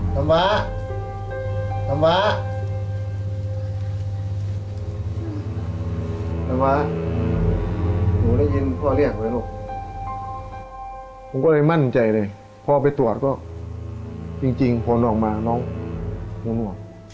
หนูได้ยินพ่อเรียกไหมลูกผมก็เลยมั่นใจเลยพ่อไปตรวจก็จริงพอนอกมาน้องหนูออก